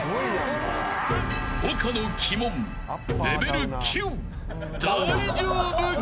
丘の鬼門、レベル９、大丈夫か。